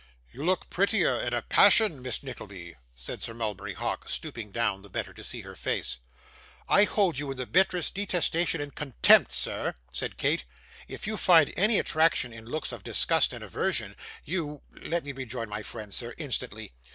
'You look prettier in a passion, Miss Nickleby,' said Sir Mulberry Hawk, stooping down, the better to see her face. 'I hold you in the bitterest detestation and contempt, sir,' said Kate. 'If you find any attraction in looks of disgust and aversion, you let me rejoin my friends, sir, instantly.